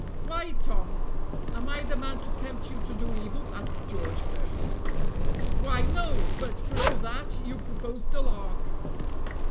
"Why, Tom, am I the man to tempt you to do evil?" asked George, hurt. "Why, no! but, for all that, you proposed a lark."